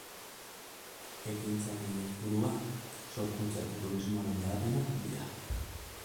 Ekintza honen helburua sorkuntza eta turismoaren hedapena dira.